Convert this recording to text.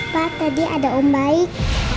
pak tadi ada om baik